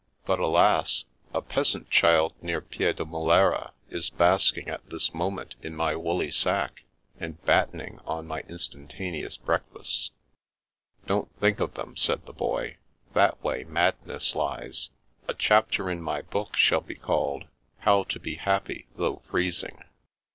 But, alas I a peasant child near Piedi mulera is basking at this moment in my woolly sack, and battening on my Instantaneous Breakfasts." " Don't think of them," said the Boy. " That way madness lies. A chapter in my book shall be called, * How to be Happy though Freezing.'